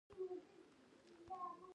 چاره نه وه او ما له مور سره خدای پاماني وکړه